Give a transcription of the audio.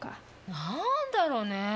何だろうね？